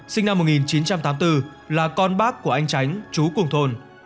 sinh năm một nghìn chín trăm tám mươi bốn là con bác của anh tránh chú cùng thôn